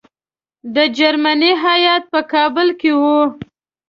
د جرمني هیات په کابل کې وو.